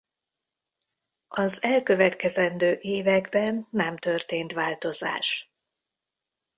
Az elkövetkezendő években nem történt változás.